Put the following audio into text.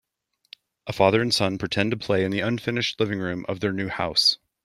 A father and son pretended to play in the unfinished living room of their new house.